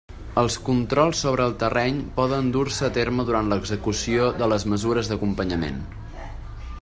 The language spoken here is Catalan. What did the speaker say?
Els controls sobre el terreny poden dur-se a terme durant l'execució de les mesures d'acompanyament.